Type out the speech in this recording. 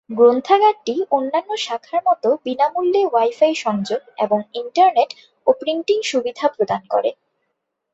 গ্রন্থাগারটি অন্যান্য শাখার মত বিনামূল্যে ওয়াই-ফাই সংযোগ এবং ইন্টারনেট ও প্রিন্টিং সুবিধা প্রদান করে।